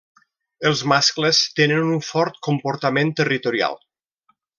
Els mascles tenen un fort comportament territorial.